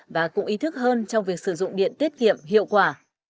và cũng ý thức hơn trong việc sử dụng điện tiết kiệm hiệu quả